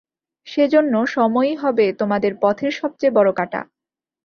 সেজন্য সময়ই হবে তোমাদের পথের সবচেয়ে বড়ো কাঁটা।